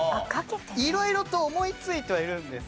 色々と思いついてはいるんです。